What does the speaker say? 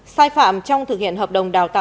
sai phạm trong thực hiện hợp đồng đào tạo